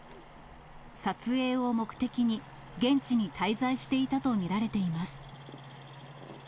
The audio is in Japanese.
撮影を目的に、現地に滞在していたと見られています。